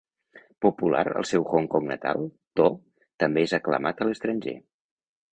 Popular al seu Hong Kong natal, To també és aclamat a l'estranger.